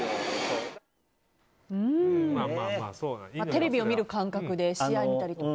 テレビを見る感覚で試合を見たりとか。